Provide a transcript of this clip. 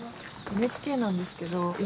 ＮＨＫなんですけどい